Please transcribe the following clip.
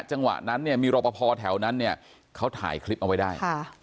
จังหวะนั้นเนี่ยมีรอปภแถวนั้นเนี่ยเขาถ่ายคลิปเอาไว้ได้